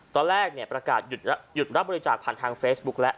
ตอนแรกประกาศหยุดรับบริจาคผ่านทางเฟซบุ๊คแล้ว